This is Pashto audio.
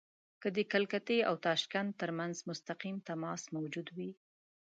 که د کلکتې او تاشکند ترمنځ مستقیم تماس موجود وي.